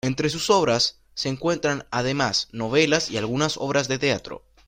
Entre sus obras se encuentran, además, novelas y algunas obras de teatro.